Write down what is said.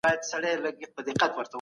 کله مجرمین د خپلو اعمالو سزا ویني؟